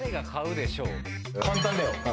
簡単だよ。